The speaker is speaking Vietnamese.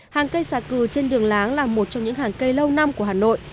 hàng cây xà cừ trên đường láng là một trong những hàng cây lâu năm của hà nội